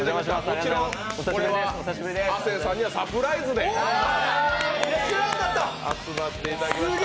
もちろんこれは、亜生さんにはサプライズで来ていただきました。